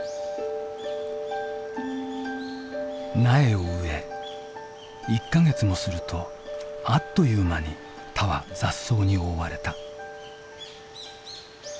苗を植え１か月もするとあっという間に田は雑草に覆われた。